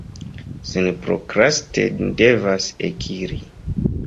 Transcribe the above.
Senprokraste ni devas ekiri.